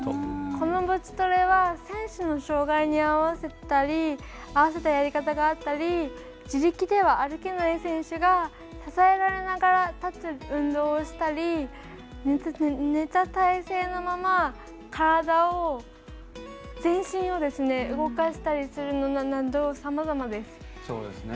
このボチトレは選手の障がいに合わせたやり方があったり自力では歩けない選手が支えられながら立つ運動をしたり寝た体勢のまま全身を動かしたりするなどさまざまです。